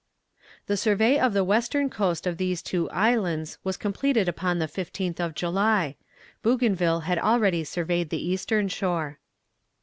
The survey of the western coast of these two islands was completed upon the 15th of July. Bougainville had already surveyed the eastern shore.